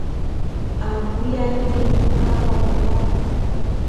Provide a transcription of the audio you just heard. Abui ya été be nga bo mélo.